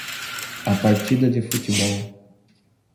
A partida de futebol.